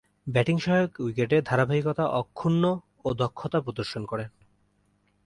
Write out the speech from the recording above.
Batting সহায়ক উইকেটে ধারাবাহিকতা অক্ষুণ্ন ও দক্ষতা প্রদর্শন করেন।